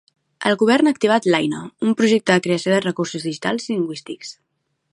El govern ha activat l'Aina, un projecte de creació de recursos digitals i lingüístics.